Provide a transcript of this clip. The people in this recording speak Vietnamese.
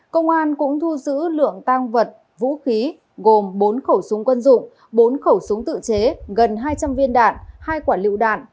công an cũng thu giữ lượng tăng vật vũ khí gồm bốn khẩu súng quân dụng bốn khẩu súng tự chế gần hai trăm linh viên đạn hai quả lựu đạn